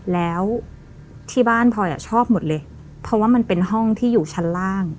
แล้วที่บ้านพลอยชอบหมดเลยเพราะว่ามันเป็นห้องที่อยู่ชั้นล่าง